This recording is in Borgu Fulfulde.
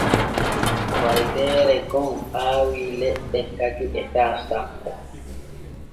Waldeere gom aawii leɗɗe kaju etaa sanpo.